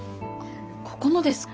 ここのですか？